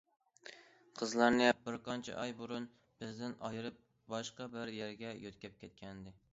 قىزلارنى بىر قانچە ئاي بۇرۇن بىزدىن ئايرىپ باشقا بىر يەرگە يۆتكەپ كەتكەنىدى.